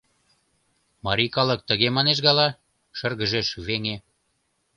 Марий калык тыге манеш гала? — шыргыжеш веҥе.